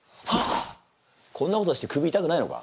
こんなことして首いたくないのか？